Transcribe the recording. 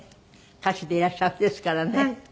歌手でいらっしゃるんですからね。